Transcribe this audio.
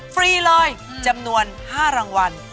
ฟรีเลยจำนวน๕รางวัล